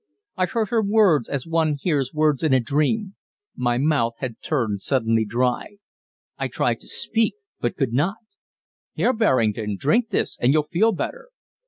I heard her words as one hears words in a dream. My mouth had turned suddenly dry. I tried to speak, but could not. "Here, Berrington, drink this and you'll feel better."